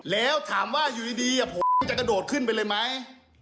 แล้วถามว่าอยู่ดีผมจะกระโดดขึ้นไปเลยไหม